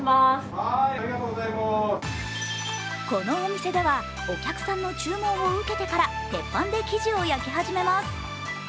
このお店ではお客さんの注文を受けてから鉄板で焼きます。